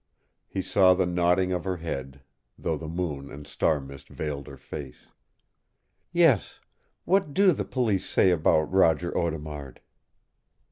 He saw the nodding of her head, though the moon and star mist veiled her face. "Yes. What do the Police say about Roger Audemard?"